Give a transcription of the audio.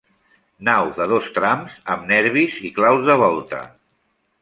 Nau de dos trams, amb nervis i claus de volta.